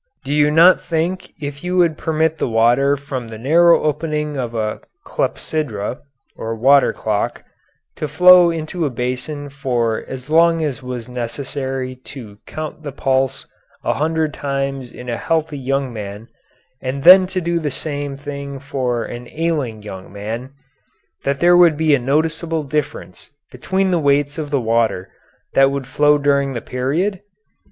"Do you not think if you would permit the water from the narrow opening of a clepsydra [water clock] to flow into a basin for as long as was necessary to count the pulse a hundred times in a healthy young man, and then do the same thing for an ailing young man, that there would be a noticeable difference between the weights of the water that would flow during the period?